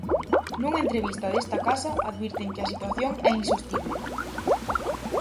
Nunha entrevista desta casa, advirten que a situación é insostible.